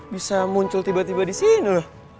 bisa muncul tiba tiba di sini loh